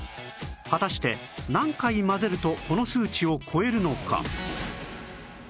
果たして何回混ぜるとこの数値を超えるのか？